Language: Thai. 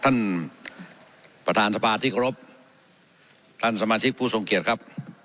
ท่านประธานสภาที่เคารพท่านสมาชิกผู้ทรงเกียจครับ